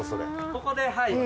ここではい。